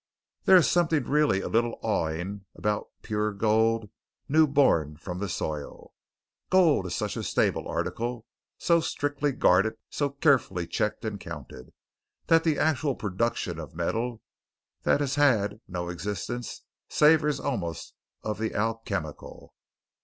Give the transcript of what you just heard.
There is something really a little awing about pure gold new born from the soil. Gold is such a stable article, so strictly guarded, so carefully checked and counted, that the actual production of metal that has had no existence savours almost of the alchemical.